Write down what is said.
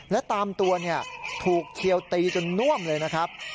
และตามตัวถูกเขียวตีจนน่วมเลยนะครับ